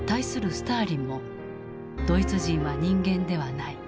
スターリンも「ドイツ人は人間ではない。